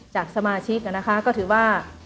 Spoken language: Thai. จากสมาชิกนะคะก็ถือว่า